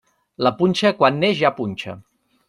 La punxa, quan naix, ja punxa.